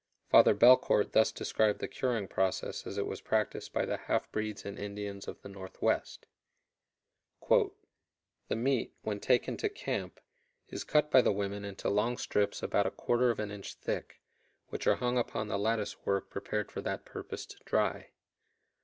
Father Belcourt thus described the curing process as it was practiced by the half breeds and Indians of the Northwest: "The meat, when taken to camp, is cut by the women into long strips about a quarter of an inch thick, which are hung upon the lattice work prepared for that purpose to dry.